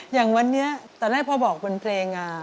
อย่างวันนี้ตอนแรกพอบอกเป็นเพลง